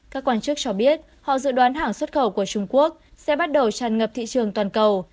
các quan chức cho biết họ dự đoán hàng xuất khẩu của trung quốc sẽ bắt đầu tràn ngập thị trường toàn cầu